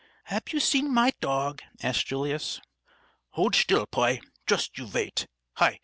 "Hab you seen my dog?" asked Julius. "Hold shtill, poy! Joost you vait. Hi!